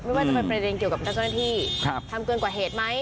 ไม่ว่าจะเป็นประเด็นเกี่ยวกับเจ้าหน้าที่ทำเกินกว่าเหตุไหม